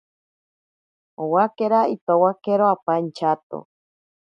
Owakera itowakero apa inchato.